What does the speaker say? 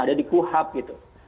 ada di kuhp gitu